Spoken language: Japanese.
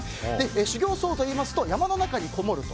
修行僧といいますと山の中にこもると。